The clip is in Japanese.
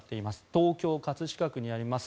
東京・葛飾区にあります